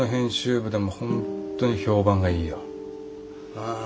ああ。